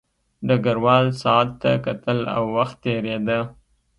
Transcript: ډګروال ساعت ته کتل او وخت تېرېده